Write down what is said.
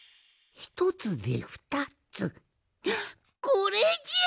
これじゃ！